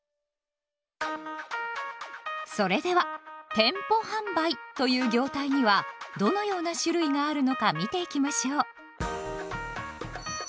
それでは「店舗販売」という業態にはどのような種類があるのか見ていきましょう。